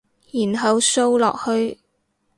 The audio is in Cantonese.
然後掃落去